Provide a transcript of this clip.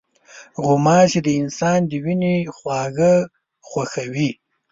غوماشې د انسان د وینې خواږه خوښوي.